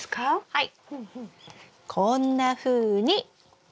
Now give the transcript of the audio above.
はい。